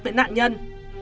với nạn nhân